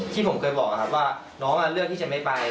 ที่ผมเคยบอกครับว่าน้องเลือกที่จะไม่ไป